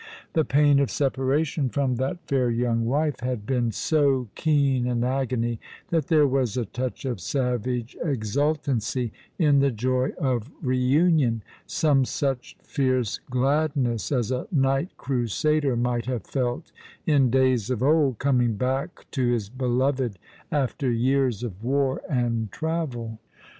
The pain of separation from that fair young wife had been so keen an agony tbat there was a touch of savage exultancy in the joy of re union — some such fierce gladness as a kuight crasader mightlhave felt in days of old, coming back to his beloved after years of war and travel.